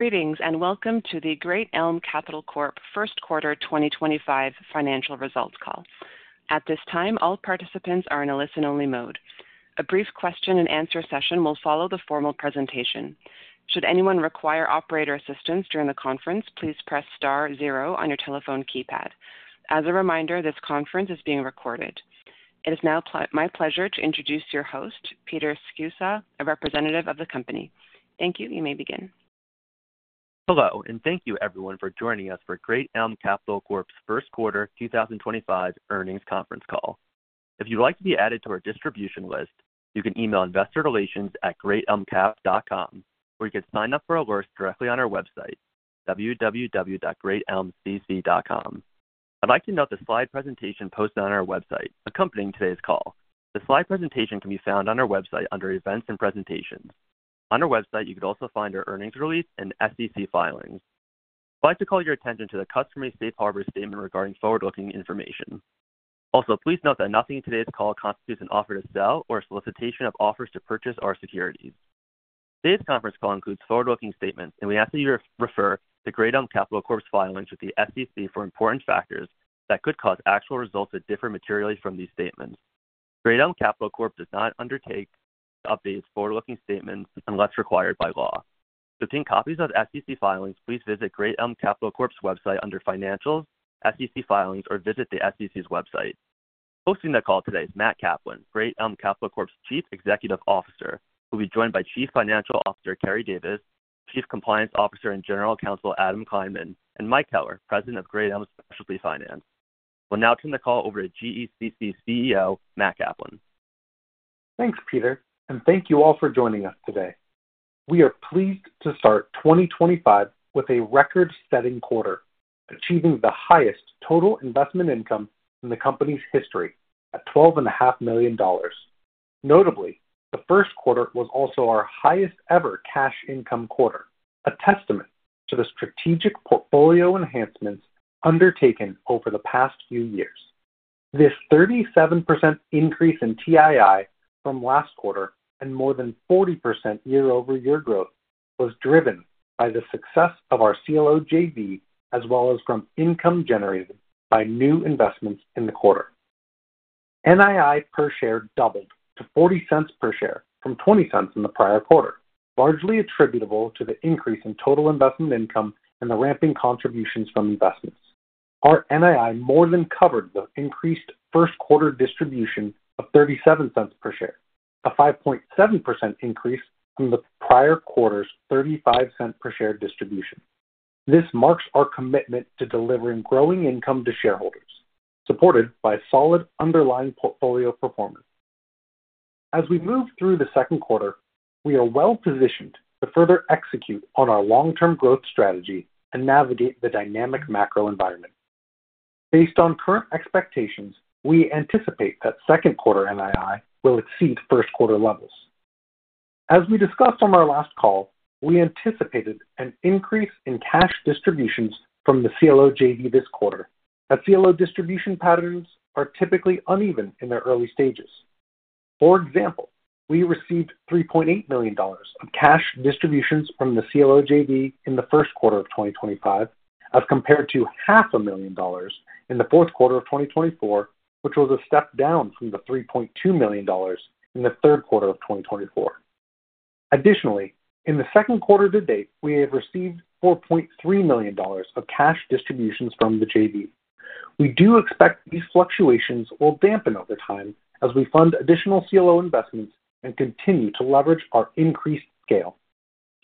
Greetings and welcome to the Great Elm Capital Corp first quarter 2025 financial results call. At this time, all participants are in a listen-only mode. A brief question-and-answer session will follow the formal presentation. Should anyone require operator assistance during the conference, please press star zero on your telephone keypad. As a reminder, this conference is being recorded. It is now my pleasure to introduce your host, Peter Scusa, a representative of the company. Thank you, you may begin. Hello, and thank you everyone for joining us for Great Elm Capital Corp's first quarter 2025 earnings conference call. If you'd like to be added to our distribution list, you can email investorrelations@greatelmcap.com, or you can sign up for alerts directly on our website, www.greatelmcc.com. I'd like to note the slide presentation posted on our website accompanying today's call. The slide presentation can be found on our website under events and presentations. On our website, you could also find our earnings release and SEC filings. I'd like to call your attention to the customary safe harbor statement regarding forward-looking information. Also, please note that nothing in today's call constitutes an offer to sell or a solicitation of offers to purchase our securities. Today's conference call includes forward-looking statements, and we ask that you refer to Great Elm Capital Corp's filings with the SEC for important factors that could cause actual results that differ materially from these statements. Great Elm Capital Corp does not undertake to update its forward-looking statements unless required by law. To obtain copies of SEC filings, please visit Great Elm Capital Corp's website under financials, SEC filings, or visit the SEC's website. Hosting the call today is Matt Kaplan, Great Elm Capital Corp's Chief Executive Officer, who will be joined by Chief Financial Officer Keri Davis, Chief Compliance Officer and General Counsel Adam Kleinman, and Mike Keller, President of Great Elm Specialty Finance. We'll now turn the call over to GECC's CEO, Matt Kaplan. Thanks, Peter, and thank you all for joining us today. We are pleased to start 2025 with a record-setting quarter, achieving the highest total investment income in the company's history at $12.5 million. Notably, the first quarter was also our highest-ever cash income quarter, a testament to the strategic portfolio enhancements undertaken over the past few years. This 37% increase in TII from last quarter and more than 40% year-over-year growth was driven by the success of our CLOJV, as well as from income generated by new investments in the quarter. NII per share doubled to $0.40 per share from $0.20 in the prior quarter, largely attributable to the increase in total investment income and the ramping contributions from investments. Our NII more than covered the increased first quarter distribution of $0.37 per share, a 5.7% increase from the prior quarter's $0.35 per share distribution. This marks our commitment to delivering growing income to shareholders, supported by solid underlying portfolio performance. As we move through the second quarter, we are well-positioned to further execute on our long-term growth strategy and navigate the dynamic macro environment. Based on current expectations, we anticipate that second quarter NII will exceed first quarter levels. As we discussed on our last call, we anticipated an increase in cash distributions from the CLOJV this quarter, as CLO distribution patterns are typically uneven in their early stages. For example, we received $3.8 million of cash distributions from the CLOJV in the first quarter of 2025, as compared to $500,000 in the fourth quarter of 2024, which was a step down from the $3.2 million in the third quarter of 2024. Additionally, in the second quarter to date, we have received $4.3 million of cash distributions from the JV. We do expect these fluctuations will dampen over time as we fund additional CLO investments and continue to leverage our increased scale.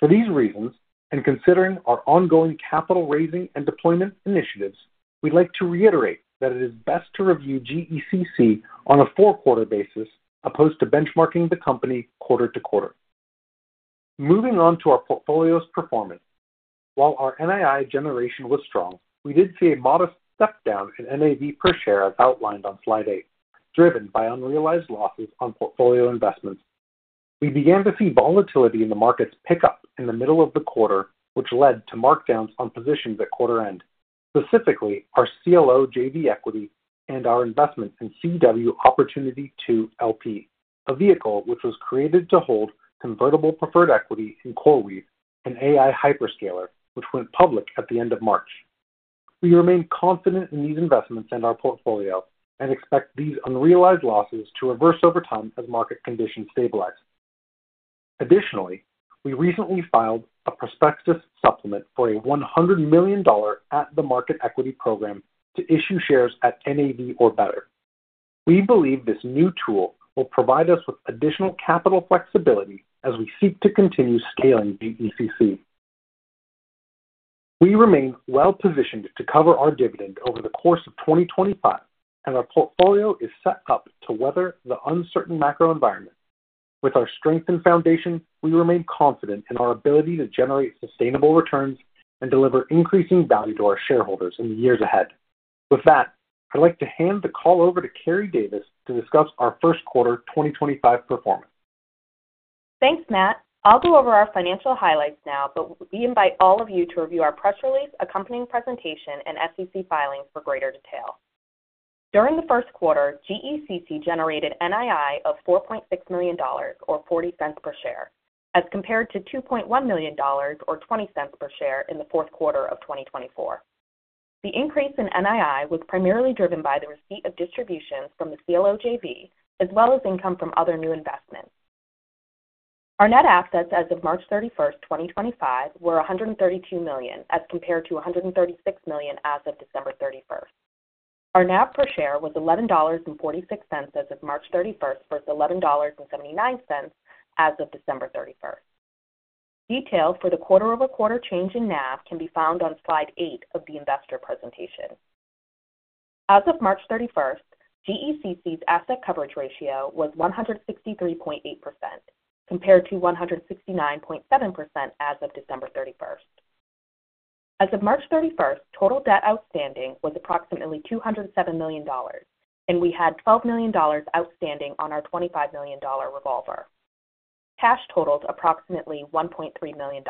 For these reasons, and considering our ongoing capital raising and deployment initiatives, we'd like to reiterate that it is best to review GECC on a four-quarter basis as opposed to benchmarking the company quarter to quarter. Moving on to our portfolio's performance, while our NII generation was strong, we did see a modest step down in NAV per share, as outlined on slide eight, driven by unrealized losses on portfolio investments. We began to see volatility in the market's pickup in the middle of the quarter, which led to markdowns on positions at quarter end, specifically our CLOJV equity and our investment in CW Opportunity 2 LP, a vehicle which was created to hold convertible preferred equity in CoreWeave and AI Hyperscaler, which went public at the end of March. We remain confident in these investments and our portfolio and expect these unrealized losses to reverse over time as market conditions stabilize. Additionally, we recently filed a prospectus supplement for a $100 million at-the-market equity program to issue shares at NAV or better. We believe this new tool will provide us with additional capital flexibility as we seek to continue scaling GECC. We remain well-positioned to cover our dividend over the course of 2025, and our portfolio is set up to weather the uncertain macro environment. With our strengthened foundation, we remain confident in our ability to generate sustainable returns and deliver increasing value to our shareholders in the years ahead. With that, I'd like to hand the call over to Keri Davis to discuss our first quarter 2025 performance. Thanks, Matt. I'll go over our financial highlights now, but we invite all of you to review our press release, accompanying presentation, and SEC filings for greater detail. During the first quarter, GECC generated NII of $4.6 million, or $0.40 per share, as compared to $2.1 million, or $0.20 per share, in the fourth quarter of 2024. The increase in NII was primarily driven by the receipt of distributions from the CLOJV, as well as income from other new investments. Our net assets as of March 31, 2025, were 132 million, as compared to 136 million as of December 31. Our NAV per share was $11.46 as of March 31 versus $11.79 as of December 31. Details for the quarter-over-quarter change in NAV can be found on slide eight of the investor presentation. As of March 31, GECC's asset coverage ratio was 163.8%, compared to 169.7% as of December 31. As of March 31, total debt outstanding was approximately $207 million, and we had $12 million outstanding on our $25 million revolver. Cash totals approximately $1.3 million.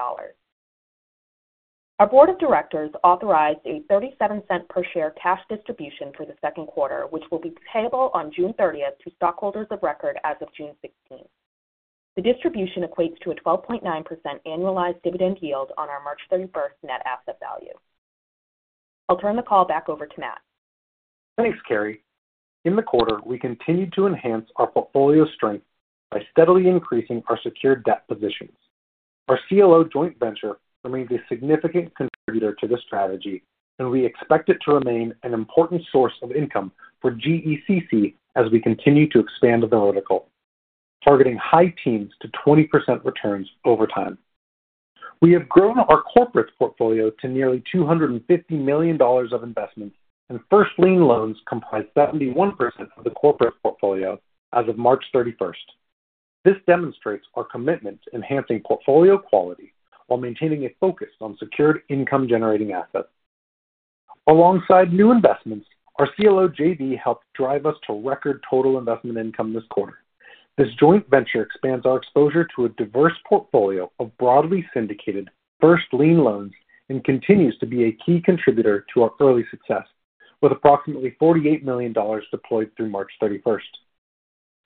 Our board of directors authorized a $0.37 per share cash distribution for the second quarter, which will be payable on June 30 to stockholders of record as of June 16. The distribution equates to a 12.9% annualized dividend yield on our March 31 net asset value. I'll turn the call back over to Matt. Thanks, Keri. In the quarter, we continued to enhance our portfolio strength by steadily increasing our secured debt positions. Our CLO joint venture remains a significant contributor to the strategy, and we expect it to remain an important source of income for GECC as we continue to expand the vertical, targeting high teens to 20% returns over time. We have grown our corporate portfolio to nearly $250 million of investments, and first lien loans comprise 71% of the corporate portfolio as of March 31. This demonstrates our commitment to enhancing portfolio quality while maintaining a focus on secured income-generating assets. Alongside new investments, our CLOJV helped drive us to record total investment income this quarter. This joint venture expands our exposure to a diverse portfolio of broadly syndicated first lien loans and continues to be a key contributor to our early success, with approximately $48 million deployed through March 31.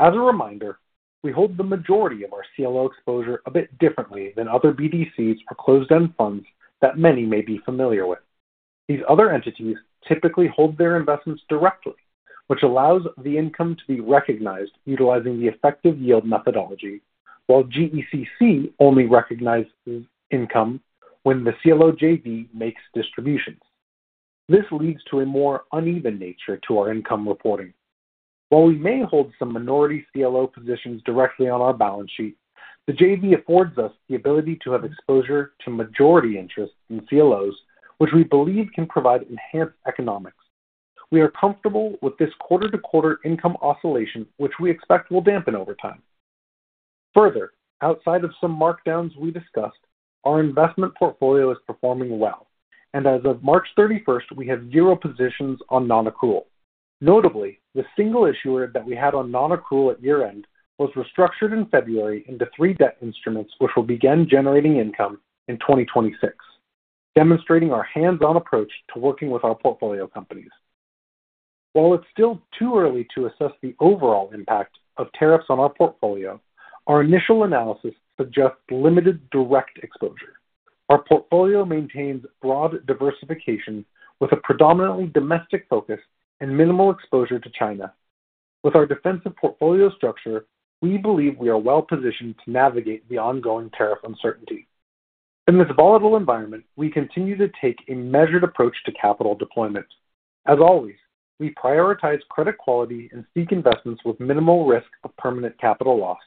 As a reminder, we hold the majority of our CLO exposure a bit differently than other BDCs or closed-end funds that many may be familiar with. These other entities typically hold their investments directly, which allows the income to be recognized utilizing the effective yield methodology, while GECC only recognizes income when the CLOJV makes distributions. This leads to a more uneven nature to our income reporting. While we may hold some minority CLO positions directly on our balance sheet, the JV affords us the ability to have exposure to majority interest in CLOs, which we believe can provide enhanced economics. We are comfortable with this quarter-to-quarter income oscillation, which we expect will dampen over time. Further, outside of some markdowns we discussed, our investment portfolio is performing well, and as of March 31, we have zero positions on non-accrual. Notably, the single issuer that we had on non-accrual at year-end was restructured in February into three debt instruments, which will begin generating income in 2026, demonstrating our hands-on approach to working with our portfolio companies. While it is still too early to assess the overall impact of tariffs on our portfolio, our initial analysis suggests limited direct exposure. Our portfolio maintains broad diversification with a predominantly domestic focus and minimal exposure to China. With our defensive portfolio structure, we believe we are well-positioned to navigate the ongoing tariff uncertainty. In this volatile environment, we continue to take a measured approach to capital deployment. As always, we prioritize credit quality and seek investments with minimal risk of permanent capital loss,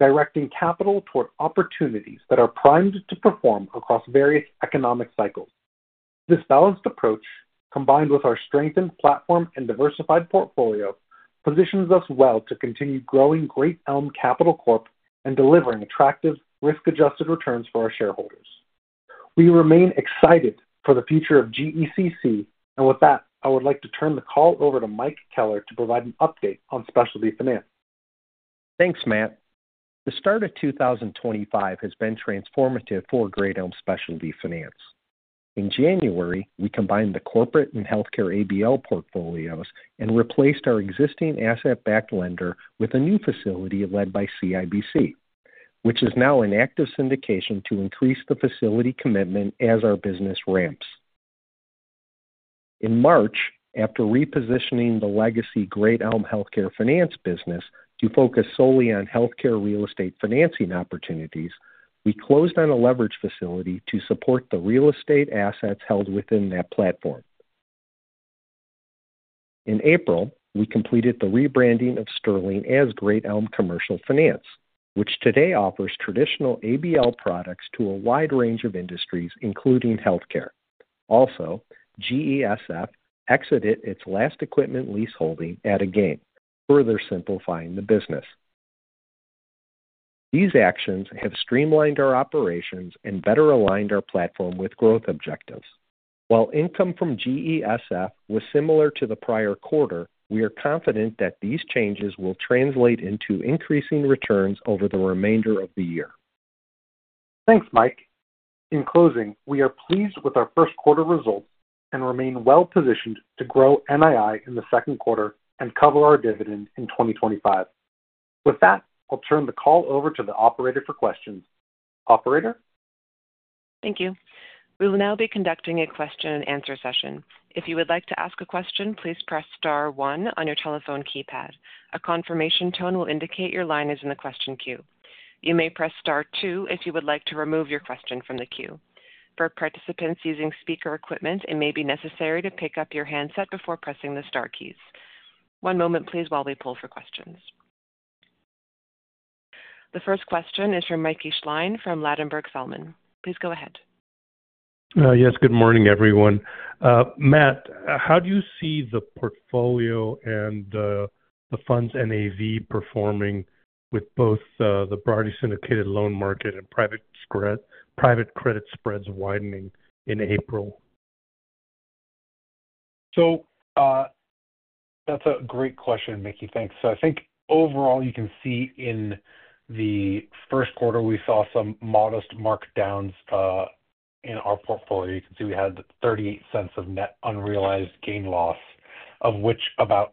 directing capital toward opportunities that are primed to perform across various economic cycles. This balanced approach, combined with our strengthened platform and diversified portfolio, positions us well to continue growing Great Elm Capital Corp and delivering attractive risk-adjusted returns for our shareholders. We remain excited for the future of GECC, and with that, I would like to turn the call over to Mike Keller to provide an update on specialty finance. Thanks, Matt. The start of 2025 has been transformative for Great Elm Specialty Finance. In January, we combined the corporate and healthcare ABL portfolios and replaced our existing asset-backed lender with a new facility led by CIBC, which is now in active syndication to increase the facility commitment as our business ramps. In March, after repositioning the legacy Great Elm Healthcare Finance business to focus solely on healthcare real estate financing opportunities, we closed on a leverage facility to support the real estate assets held within that platform. In April, we completed the rebranding of Sterling as Great Elm Commercial Finance, which today offers traditional ABL products to a wide range of industries, including healthcare. Also, GESF exited its last equipment lease holding at a gain, further simplifying the business. These actions have streamlined our operations and better aligned our platform with growth objectives. While income from GESF was similar to the prior quarter, we are confident that these changes will translate into increasing returns over the remainder of the year. Thanks, Mike. In closing, we are pleased with our first quarter results and remain well-positioned to grow NII in the second quarter and cover our dividend in 2025. With that, I'll turn the call over to the operator for questions. Operator? Thank you. We will now be conducting a question-and-answer session. If you would like to ask a question, please press star one on your telephone keypad. A confirmation tone will indicate your line is in the question queue. You may press star two if you would like to remove your question from the queue. For participants using speaker equipment, it may be necessary to pick up your handset before pressing the star keys. One moment, please, while we pull for questions. The first question is from Mickey Schleien from Ladenburg Thalmann. Please go ahead. Yes, good morning, everyone. Matt, how do you see the portfolio and the fund's NAV performing with both the broadly syndicated loan market and private credit spreads widening in April? That's a great question, Mickey. Thanks. I think overall, you can see in the first quarter, we saw some modest markdowns in our portfolio. You can see we had $0.38 of net unrealized gain loss, of which about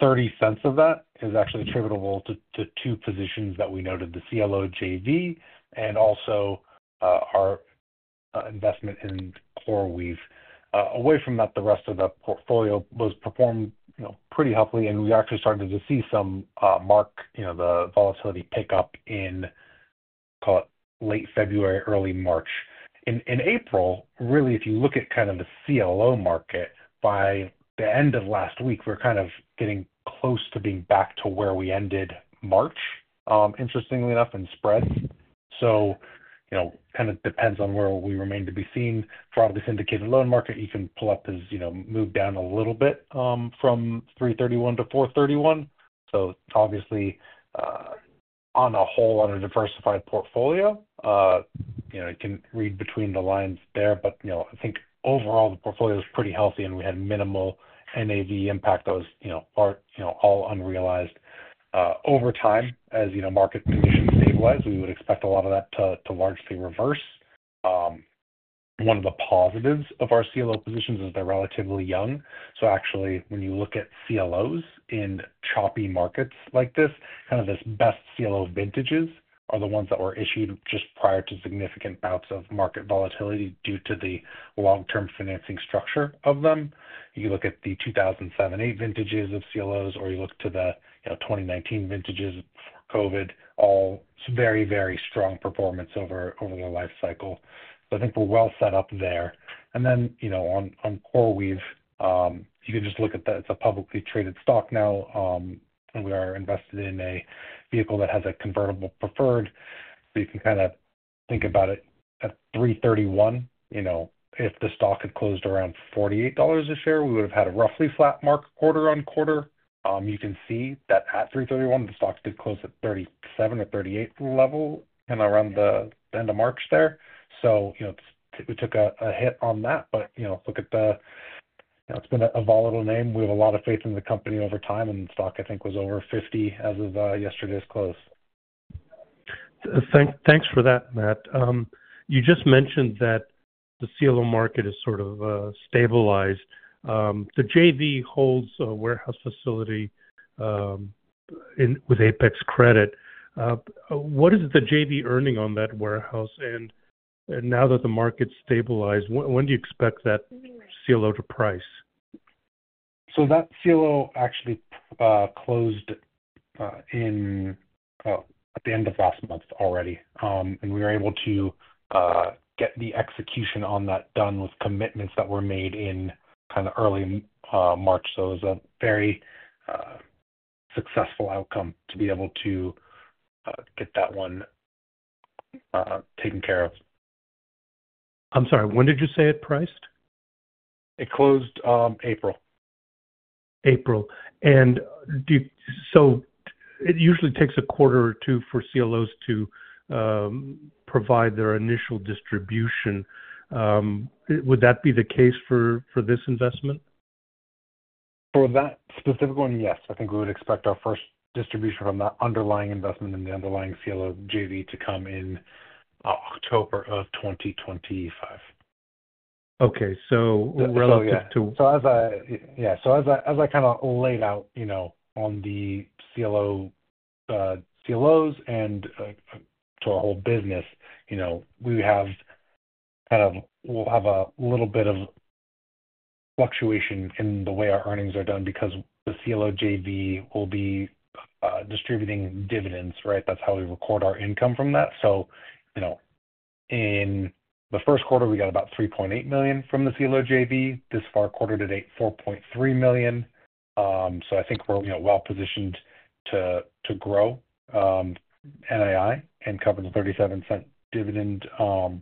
$0.30 of that is actually attributable to two positions that we noted, the CLO JV and also our investment in CoreWeave. Away from that, the rest of the portfolio was performing pretty healthily, and we actually started to see some mark the volatility pickup in, I'll call it, late February, early March. In April, really, if you look at kind of the CLO market by the end of last week, we're kind of getting close to being back to where we ended March, interestingly enough, in spreads. It kind of depends on where we remain to be seen. For all the syndicated loan market, you can pull up, move down a little bit from 331-431. Obviously, on a whole, on a diversified portfolio, you can read between the lines there, but I think overall, the portfolio is pretty healthy, and we had minimal NAV impact that was all unrealized. Over time, as market conditions stabilize, we would expect a lot of that to largely reverse. One of the positives of our CLO positions is they're relatively young. Actually, when you look at CLOs in choppy markets like this, kind of these best CLO vintages are the ones that were issued just prior to significant bouts of market volatility due to the long-term financing structure of them. You look at the 2007, 2008 vintages of CLOs, or you look to the 2019 vintages before COVID, all very, very strong performance over the life cycle. I think we're well set up there. And then on CoreWeave, you can just look at that. It's a publicly traded stock now, and we are invested in a vehicle that has a convertible preferred. You can kind of think about it at 3/31. If the stock had closed around $48 a share, we would have had a roughly flat mark quarter-on-quarter. You can see that at 3/31, the stock did close at $37-$38 level kind of around the end of March there. We took a hit on that, but look at the it's been a volatile name. We have a lot of faith in the company over time, and the stock, I think, was over $50 as of yesterday's close. Thanks for that, Matt. You just mentioned that the CLO market has sort of stabilized. The JV holds a warehouse facility with Apex Credit. What is the JV earning on that warehouse? Now that the market's stabilized, when do you expect that CLO to price? That CLO actually closed at the end of last month already, and we were able to get the execution on that done with commitments that were made in kind of early March. It was a very successful outcome to be able to get that one taken care of. I'm sorry, when did you say it priced? It closed April. April. It usually takes a quarter or two for CLOs to provide their initial distribution. Would that be the case for this investment? For that specific one, yes. I think we would expect our first distribution from that underlying investment and the underlying CLO JV to come in October of 2025. Okay. So relative to. Yeah. As I kind of laid out on the CLOs and to our whole business, we have kind of, we'll have a little bit of fluctuation in the way our earnings are done because the CLO JV will be distributing dividends, right? That's how we record our income from that. In the first quarter, we got about $3.8 million from the CLO JV. This far quarter, it ate $4.3 million. I think we're well-positioned to grow NAI and cover the $0.37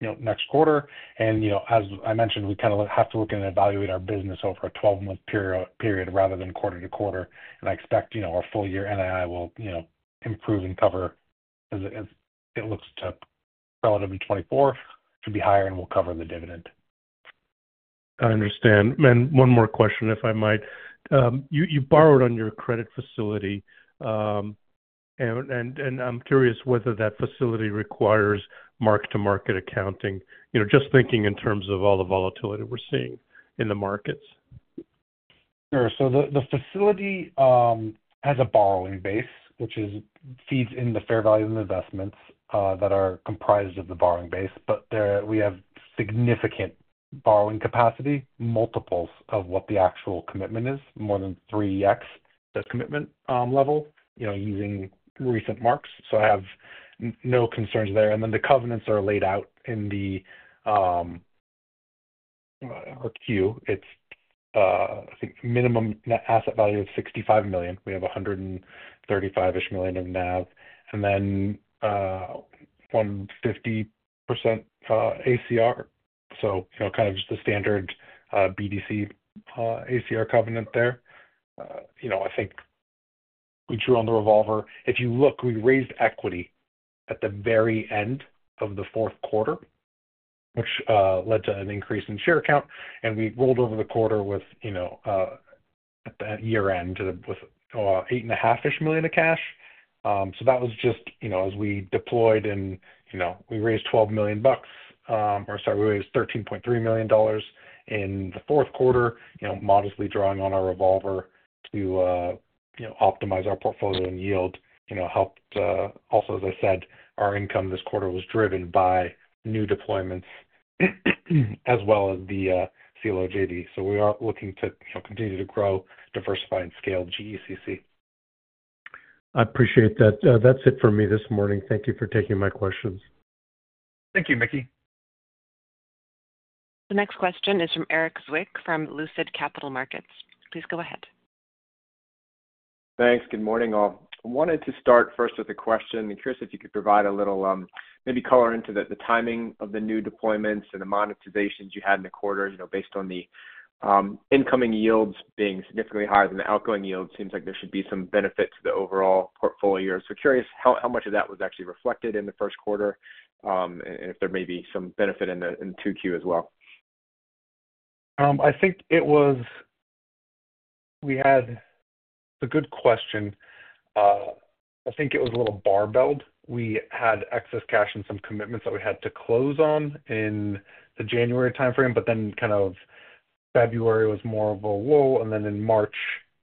dividend next quarter. As I mentioned, we kind of have to look and evaluate our business over a 12-month period rather than quarter to quarter. I expect our full-year NAI will improve and cover as it looks to relative in 2024 to be higher, and we'll cover the dividend. I understand. One more question, if I might. You borrowed on your credit facility, and I'm curious whether that facility requires mark-to-market accounting, just thinking in terms of all the volatility we're seeing in the markets. Sure. The facility has a borrowing base, which feeds in the fair value investments that are comprised of the borrowing base, but we have significant borrowing capacity, multiples of what the actual commitment is, more than 3X the commitment level using recent marks. I have no concerns there. The covenants are laid out in our queue. It is, I think, minimum net asset value of 65 million. We have 135-ish million in NAV, and then 150% ACR. Kind of just the standard BDC ACR covenant there. I think we drew on the revolver. If you look, we raised equity at the very end of the fourth quarter, which led to an increase in share count, and we rolled over the quarter at the year-end with 8.5-ish million of cash. That was just as we deployed, and we raised $13.3 million in the fourth quarter, modestly drawing on our revolver to optimize our portfolio and yield helped. Also, as I said, our income this quarter was driven by new deployments as well as the CLO JV. We are looking to continue to grow, diversify, and scale GECC. I appreciate that. That's it for me this morning. Thank you for taking my questions. Thank you, Mickey. The next question is from Erik Zwick from Lucid Capital Markets. Please go ahead. Thanks. Good morning, all. I wanted to start first with a question. Curious if you could provide a little maybe color into the timing of the new deployments and the monetizations you had in the quarter based on the incoming yields being significantly higher than the outgoing yields. It seems like there should be some benefit to the overall portfolio. Curious how much of that was actually reflected in the first quarter and if there may be some benefit in the 2Q as well. I think it was we had a good question. I think it was a little barbelled. We had excess cash and some commitments that we had to close on in the January timeframe, but then kind of February was more of a whoa. In March,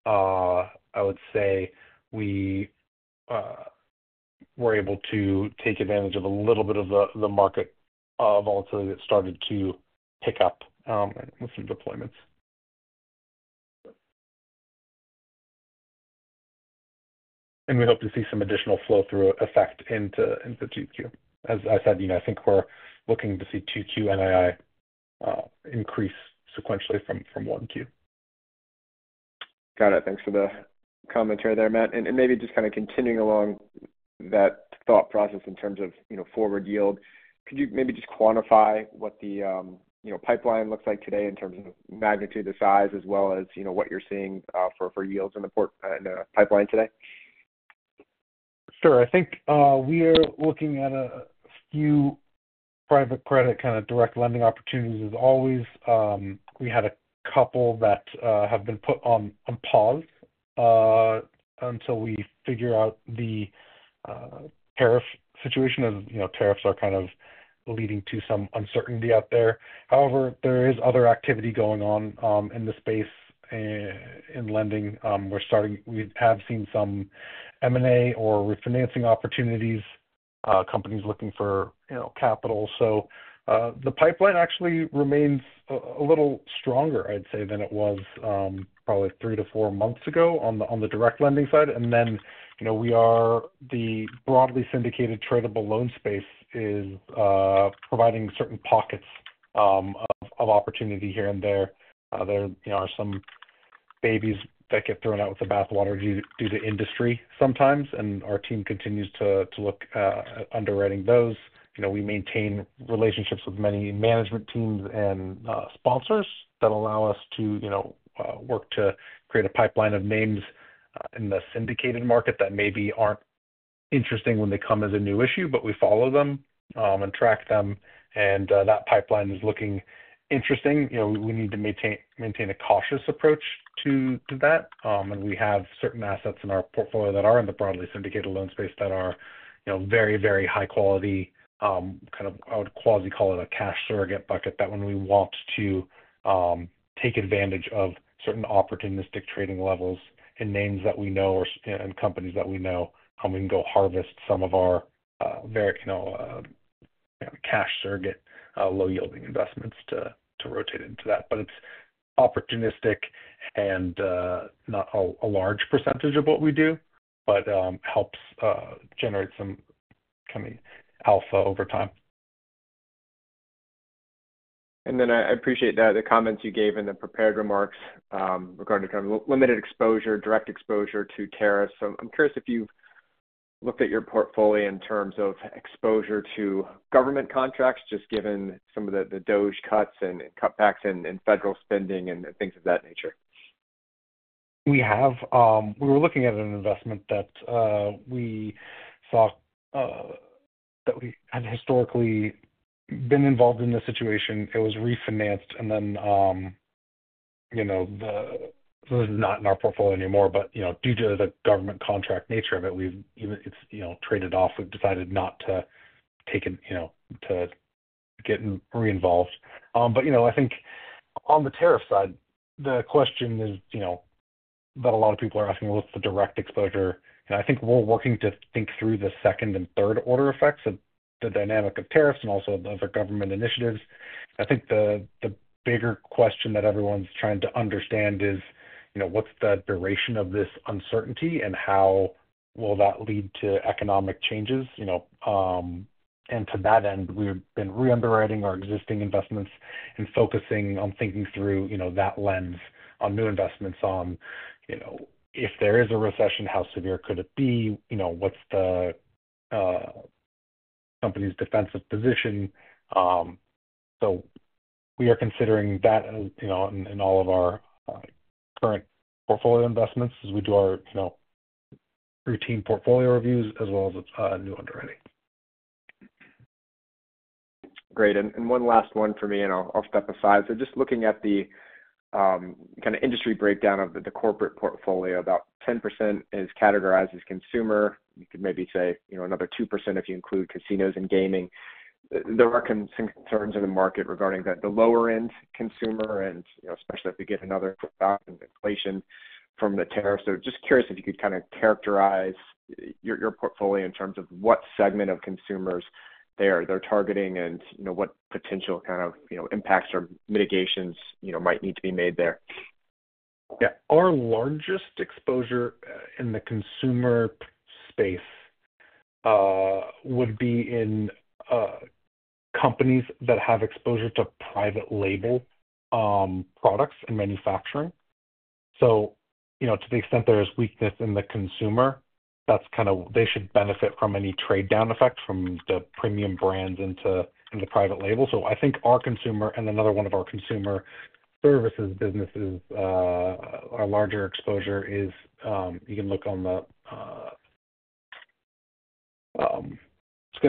I would say we were able to take advantage of a little bit of the market volatility that started to pick up with some deployments. We hope to see some additional flow-through effect into the 2Q. As I said, I think we're looking to see 2Q NII increase sequentially from 1Q. Got it. Thanks for the commentary there, Matt. Maybe just kind of continuing along that thought process in terms of forward yield, could you maybe just quantify what the pipeline looks like today in terms of magnitude, the size, as well as what you're seeing for yields in the pipeline today? Sure. I think we are looking at a few private credit kind of direct lending opportunities as always. We had a couple that have been put on pause until we figure out the tariff situation as tariffs are kind of leading to some uncertainty out there. However, there is other activity going on in the space in lending. We have seen some M&A or refinancing opportunities, companies looking for capital. The pipeline actually remains a little stronger, I'd say, than it was probably three to four months ago on the direct lending side. We are the broadly syndicated tradable loan space is providing certain pockets of opportunity here and there. There are some babies that get thrown out with the bathwater due to industry sometimes, and our team continues to look at underwriting those. We maintain relationships with many management teams and sponsors that allow us to work to create a pipeline of names in the syndicated market that maybe are not interesting when they come as a new issue, but we follow them and track them. That pipeline is looking interesting. We need to maintain a cautious approach to that. We have certain assets in our portfolio that are in the broadly syndicated loan space that are very, very high quality, kind of I would quasi-call it a cash surrogate bucket that when we want to take advantage of certain opportunistic trading levels in names that we know and companies that we know, we can go harvest some of our cash surrogate low-yielding investments to rotate into that. It is opportunistic and not a large percentage of what we do, but helps generate some kind of alpha over time. I appreciate the comments you gave in the prepared remarks regarding kind of limited exposure, direct exposure to tariffs. I'm curious if you've looked at your portfolio in terms of exposure to government contracts, just given some of the DOGE cuts and cutbacks and federal spending and things of that nature. We have. We were looking at an investment that we thought that we had historically been involved in the situation. It was refinanced, and then this is not in our portfolio anymore, but due to the government contract nature of it, it has traded off. We have decided not to take it to get re-involved. I think on the tariff side, the question that a lot of people are asking is, what's the direct exposure? I think we are working to think through the second and third-order effects of the dynamic of tariffs and also of government initiatives. I think the bigger question that everyone's trying to understand is, what's the duration of this uncertainty and how will that lead to economic changes? We have been re-underwriting our existing investments and focusing on thinking through that lens on new investments, on if there is a recession, how severe could it be, what is the company's defensive position? We are considering that in all of our current portfolio investments as we do our routine portfolio reviews as well as new underwriting. Great. One last one for me, and I'll step aside. Just looking at the kind of industry breakdown of the corporate portfolio, about 10% is categorized as consumer. You could maybe say another 2% if you include casinos and gaming. There are concerns in the market regarding the lower-end consumer, especially if we get another crack in inflation from the tariffs. Just curious if you could kind of characterize your portfolio in terms of what segment of consumers they're targeting and what potential impacts or mitigations might need to be made there. Yeah. Our largest exposure in the consumer space would be in companies that have exposure to private label products and manufacturing. To the extent there is weakness in the consumer, that's kind of they should benefit from any trade-down effect from the premium brands into the private label. I think our consumer and another one of our consumer services businesses, our larger exposure is you can look on the schedule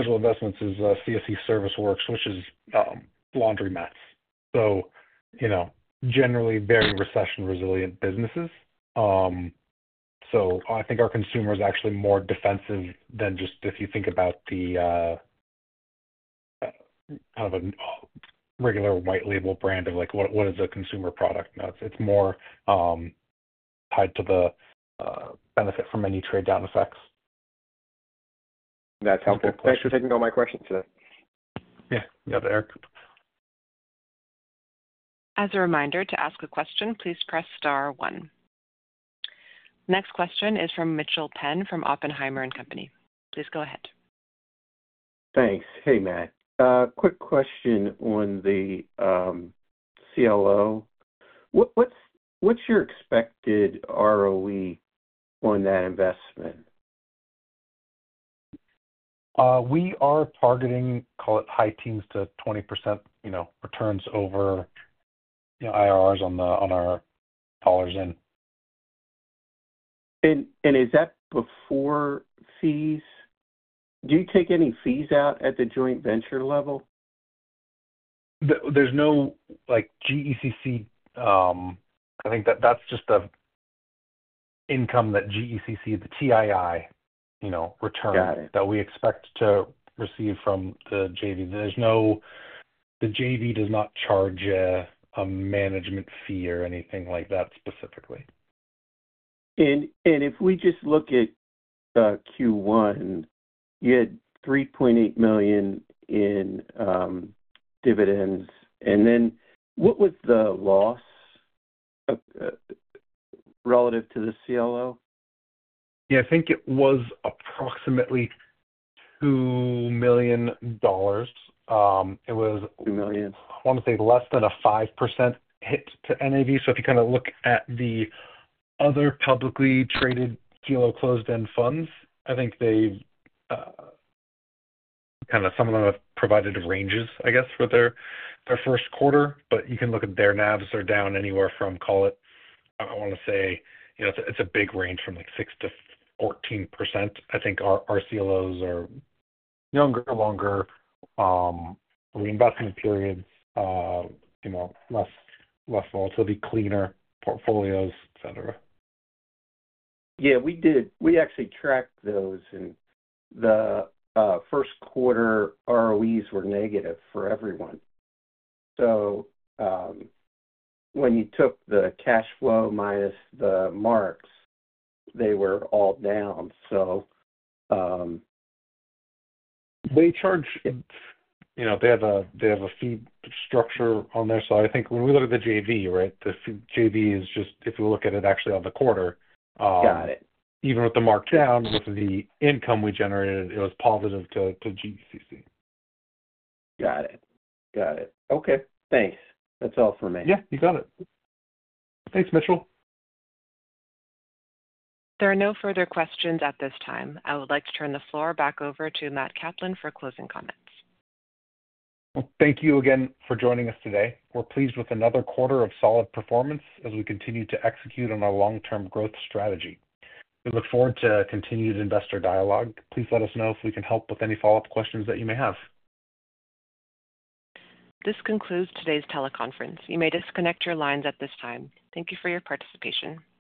of investments, is CSC ServiceWorks, which is laundromats. Generally very recession-resilient businesses. I think our consumer is actually more defensive than just if you think about the kind of a regular white label brand of what is a consumer product. It's more tied to the benefit from any trade-down effects. That's helpful. Thanks for taking all my questions today. Yeah. You have it, Erik. As a reminder, to ask a question, please press star one. Next question is from Mitchel Penn from Oppenheimer & Company. Please go ahead. Thanks. Hey, Matt. Quick question on the CLO. What's your expected ROE on that investment? We are targeting, call it high teens to 20% returns over IRRs on our dollars in. Is that before fees? Do you take any fees out at the joint venture level? There's no GECC. I think that's just the income that GECC, the TII, returns that we expect to receive from the JV. The JV does not charge a management fee or anything like that specifically. If we just look at Q1, you had 3.8 million in dividends. What was the loss relative to the CLO? Yeah. I think it was approximately $2 million. It was. 2 million. I want to say less than a 5% hit to NAV. If you kind of look at the other publicly traded CLO closed-end funds, I think they kind of, some of them have provided ranges, I guess, for their first quarter. You can look at their NAVs. They're down anywhere from, call it, I want to say it's a big range, from 6-14%. I think our CLOs are younger, longer reinvestment periods, less volatility, cleaner portfolios, etc. Yeah. We did. We actually tracked those. And the first quarter ROEs were negative for everyone. When you took the cash flow minus the marks, they were all down. They charge, they have a fee structure on there. I think when we look at the JV, right, the JV is just, if you look at it actually on the quarter. Got it. Even with the markdown, with the income we generated, it was positive to GECC. Got it. Got it. Okay. Thanks. That's all for me. Yeah. You got it. Thanks, Mitchel. There are no further questions at this time. I would like to turn the floor back over to Matt Kaplan for closing comments. Thank you again for joining us today. We're pleased with another quarter of solid performance as we continue to execute on our long-term growth strategy. We look forward to continued investor dialogue. Please let us know if we can help with any follow-up questions that you may have. This concludes today's teleconference. You may disconnect your lines at this time. Thank you for your participation.